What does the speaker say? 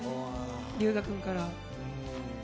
龍芽君から。